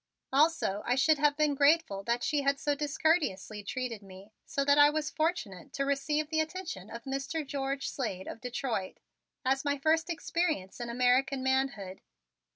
Also I should have been grateful that she had so discourteously treated me so that I was fortunate to receive the attention of Mr. George Slade of Detroit as my first experience in American manhood.